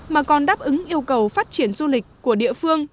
mà còn đáp ứng yêu cầu phát triển du lịch của địa phương